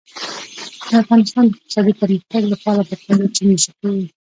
د افغانستان د اقتصادي پرمختګ لپاره پکار ده چې موسیقي وي.